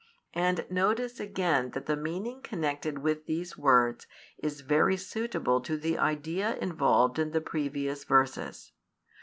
And notice again that the meaning connected with these words is very suitable to the idea involved in the previous verses.